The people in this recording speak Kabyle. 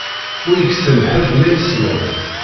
Ur yeksan ḥedd ma yesleb.